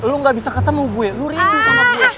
lu gak bisa ketemu gue lu rindu sama gue